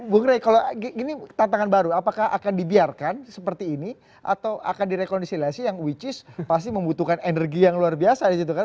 bung rey kalau ini tantangan baru apakah akan dibiarkan seperti ini atau akan direkonsiliasi yang which is pasti membutuhkan energi yang luar biasa disitu kan